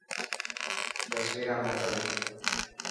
تصويران موڪل.